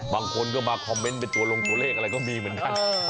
บางคนก็มาคอมเมนต์เป็นตัวลงตัวเลขอะไรก็มีเหมือนกัน